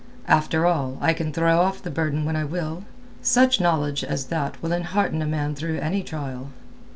"After all, I can throw off the burden when I will. Such knowledge as that will enhearten a man through any trial."